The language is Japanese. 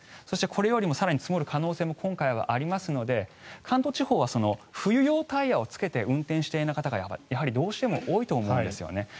そしてこれよりも更に積もる可能性が今回はありますので関東地方は冬用タイヤをつけて運転していない方がどうしても多いと思うんですよね。